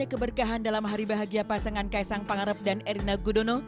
dan keberkahan dalam hari bahagia pasangan kae sang pangarep dan erina gudono